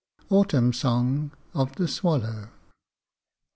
AUTUMN SONG OF THE SWALLOW.